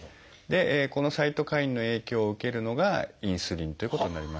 このサイトカインの影響を受けるのがインスリンということになります。